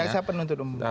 jaksa penuntut umum